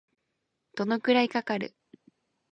どのくらいかかる